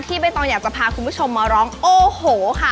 ใบตองอยากจะพาคุณผู้ชมมาร้องโอ้โหค่ะ